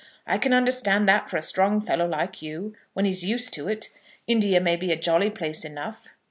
I can understand that for a strong fellow like you, when he's used to it, India may be a jolly place enough."